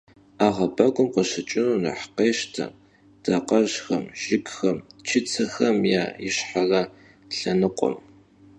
'eğebegum khışıç'ınu nexh khêşte dakhejxem, jjıgxem, çıtsexem ya yişxhere lhenıkhuem.